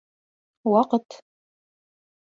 Ваҡыт